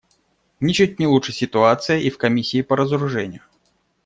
Ничуть не лучше ситуация и в Комиссии по разоружению.